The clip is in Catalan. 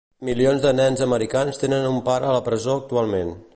Milions de nens americans tenen un pare a la presó actualment.